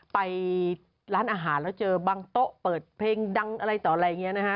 ไปร้านอาหารแล้วเจอบางโต๊ะเปิดเพลงดังอะไรต่ออะไรอย่างนี้นะฮะ